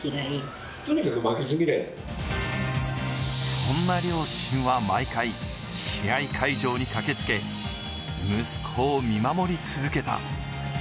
そんな両親は毎回、試合会場に駆けつけ、息子を見守り続けた。